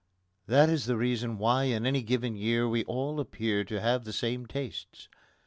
That is the reason why in any given year we all appear to have the same tastes.